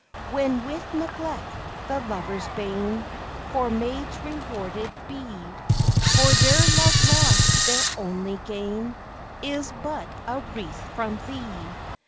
When with neglect, the lover's bane, Poor maids rewarded be, For their love lost their only gain Is but a wreath from thee.